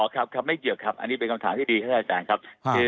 ครับครับไม่เกี่ยวครับอันนี้เป็นคำถามที่ดีครับอาจารย์ครับ